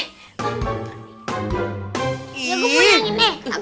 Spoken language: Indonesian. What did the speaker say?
ya gue mau yang ini